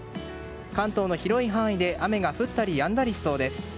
関東の広い範囲で雨が降ったりやんだりしそうです。